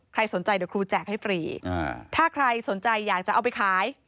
สนใจเดี๋ยวครูแจกให้ฟรีถ้าใครสนใจอยากจะเอาไปขาย